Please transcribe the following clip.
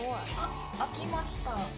開きました。